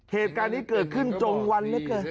เหตุการณ์นี้เกิดขึ้นจงวัน